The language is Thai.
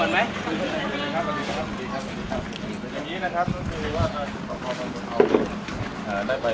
สวัสดีครับ